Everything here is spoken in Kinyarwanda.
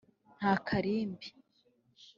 nta karimbi.